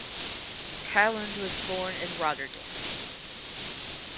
Caland was born in Rotterdam.